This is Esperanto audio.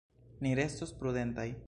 Ni restos prudentaj.